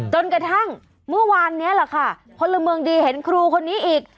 จนกระทั่งเมื่อวานนี้แหละค่ะพลเมืองดีเห็นครูคนนี้อีก